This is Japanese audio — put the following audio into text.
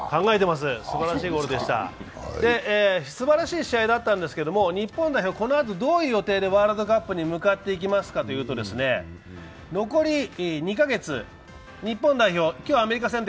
すばらしい試合だったんですけど、日本代表、このあとどういう予定でワールドカップに向かっていきますかというと、残り２か月、日本代表